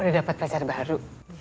udah dapet pelajar baru